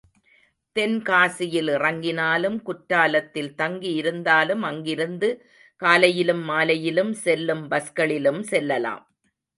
தென்காசியில் இறங்கினாலும், குற்றாலத்தில் தங்கி இருந்தாலும் அங்கிருந்து காலையிலும் மாலையிலும் செல்லும் பஸ்களிலும் செல்லலாம்.